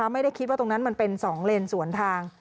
ไม่ได้คิดว่าตรงนั้นมันเป็น๒เลนสวนทาง